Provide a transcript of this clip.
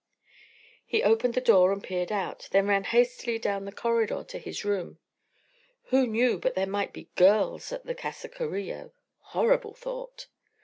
He opened the door and peered out, then ran hastily down the corridor to his room. Who knew but there might be girls at the Casa Carillo? Horrible thought!